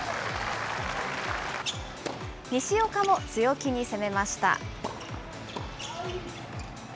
西岡も強気に攻めました。